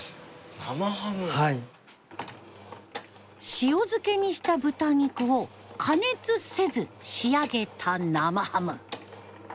塩漬けにした豚肉を加熱せず仕上げた生ハム。